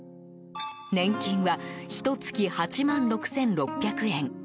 年金はひと月８万６６００円。